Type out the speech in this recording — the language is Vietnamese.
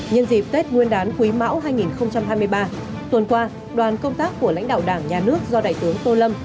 nhân dịp tết nguyên đán quý mão hai nghìn hai mươi ba tuần qua đoàn công tác của lãnh đạo đảng nhà nước do đại tướng tô lâm